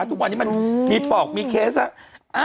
ทุกวันนี้มันมีปอกมีเคสแล้ว